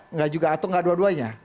enggak juga atau nggak dua duanya